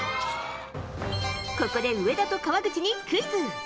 ここで上田と川口にクイズ！